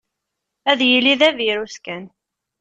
Ad yili d avirus kan.